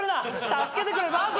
助けてくれバズ！